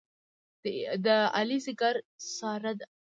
د علي ځېګر ساره ده.